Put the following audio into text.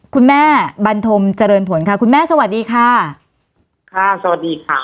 บรรทมเจริญผลค่ะคุณแม่สวัสดีค่ะค่ะสวัสดีค่ะ